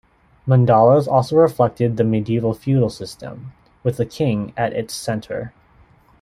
Mandalas also reflected the medieaval feudal system, with the king at its centre.